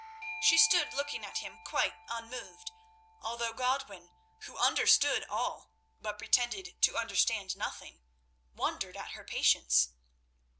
She stood looking at him quite unmoved, although Godwin, who understood all, but pretended to understand nothing, wondered at her patience.